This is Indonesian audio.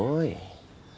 kan kamu punya keluarga